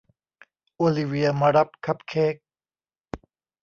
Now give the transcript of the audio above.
โอลิเวียมารับคัพเค้ก